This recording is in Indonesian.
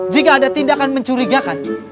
jika ada tindakan mencurigakan